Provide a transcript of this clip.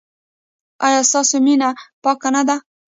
ایا ستاسو مینه پاکه نه ده؟